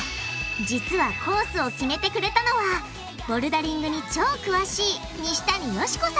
実はコースを決めてくれたのはボルダリングに超詳しい西谷善子さん。